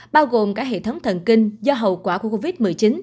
bao gồm cả hệ thống thần kinh do hậu quả của covid một mươi chín